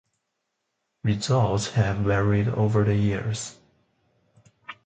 Results have varied over the years.